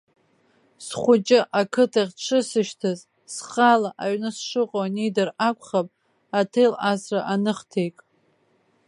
Схәыҷы ақыҭахь дшысышьҭыз, схала аҩны сшыҟоу анидыр акәхап, аҭел асра аныхҭеик.